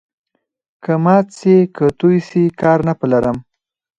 که مات سي که توی سي، کار نه په لرم.